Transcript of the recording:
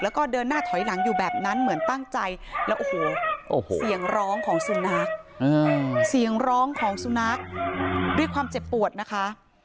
แล้วก็เดินหน้าถอยหลังอยู่แบบนั้นเหมือนตั้งใจแล้วโอ้โหเสียงร้องของสุนัขเสียงร้องของสุนัขด้วยความเจ็บปวดนะคะ